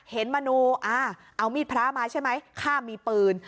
มนูเอามีดพระมาใช่ไหมข้ามมีปืน